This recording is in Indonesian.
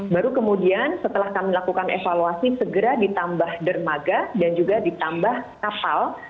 baru kemudian setelah kami lakukan evaluasi segera ditambah dermaga dan juga ditambah kapal